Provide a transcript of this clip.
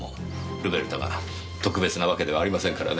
ルベルタが特別なわけではありませんからね。